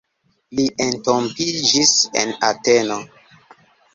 Li entombiĝis en Ateno.